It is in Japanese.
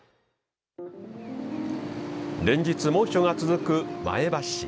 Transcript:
連日、猛暑が続く前橋市。